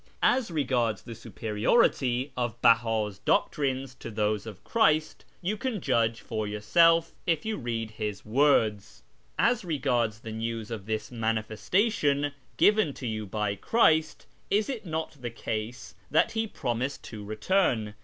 As regards the superiority of Bella's doctrines to those of Christ, you can judge for your self if you will read his words. As regards the news of this ' manifestation ' given to you by Christ, is it not the case that He promised to return